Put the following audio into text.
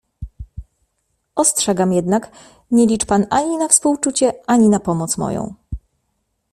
"Ostrzegam jednak, nie licz pan, ani na współczucie, ani na pomoc moją!"